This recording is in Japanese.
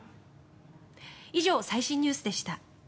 以上、最新ニュースでした。